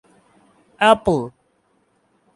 Appl.